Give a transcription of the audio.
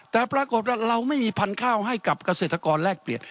แต่ปรากฏว่าเราไม่มีพันธุ์ข้าวให้กับเกษตรกรแลกเปลี่ยน